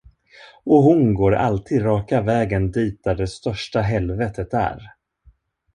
Och hon går alltid raka vägen dit där det största helvetet är.